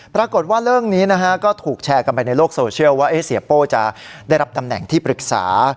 ปรากฏว่าเรื่องนี้นะฮะก็ถูกแชร์กันไปในโลกโซเชียลว่าเสียโป้จะได้รับตำแหน่งที่ปรึกษา